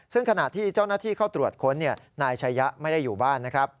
ซึ่งขณะที่เจ้าหน้าที่เข้าตรวจค้นนายชายะไม่ได้อยู่บ้านนะครับ